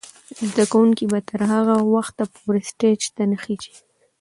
زده کوونکې به تر هغه وخته پورې سټیج ته خیژي.